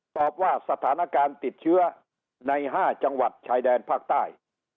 ตอบว่าสถานการณ์ติดเชื้อใน๕จังหวัดชายแดนภาคใต้